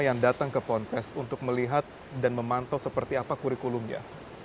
yang datang ke ponpes untuk melihat dan memantau seperti apa kurikulumnya